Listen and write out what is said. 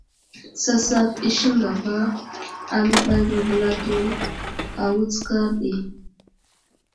Sasaf i siŋkapa aləɓay məvəlato a wutskar ɗi.